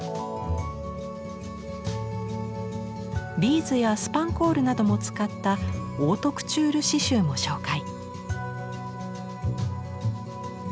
ビーズやスパンコールなども使ったオートクチュール刺繍も紹介。